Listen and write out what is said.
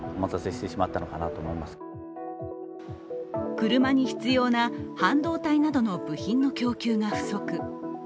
車に必要な半導体などの部品の供給が不足。